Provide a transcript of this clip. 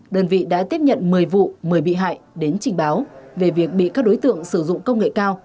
đơn vị đã tiếp nhận một mươi vụ một mươi bị hại đến trình báo về việc bị các đối tượng sử dụng công nghệ cao